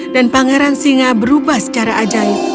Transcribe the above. dan pangeran singa berubah secara ajaib